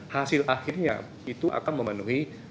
hasil akhirnya itu akan memenuhi